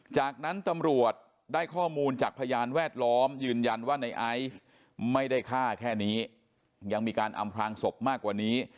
จากนั้นตำรวจได้ข้อมูลจากพยานแวดล้อมยืนยันว่าในไอซ์ไม่ได้ฆ่าแค่นี้ยังมีการอำพลางศพมากกว่านี้